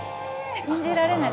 信じられない。